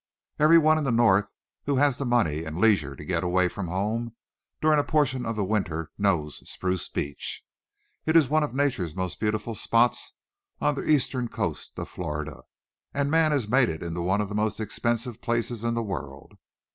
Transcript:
Everyone in the North who has the money and leisure to get away from home during a portion of the winter knows Spruce Beach. It is one of nature's most beautiful spots on the eastern coast of Florida, and man has made it one of the most expensive places in the world.